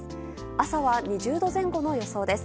朝は２０度前後の予想です。